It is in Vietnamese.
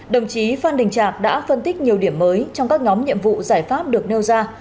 đồng chí phan đình trạc đã phân tích nhiều điểm mới trong các nhóm nhiệm vụ giải pháp được nêu ra